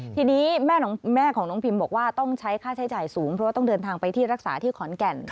ทีนี้แม่ของน้องพิมบอกว่าต้องใช้ค่าใช้จ่ายสูงเพราะว่าต้องเดินทางไปที่รักษาที่ขอนแก่น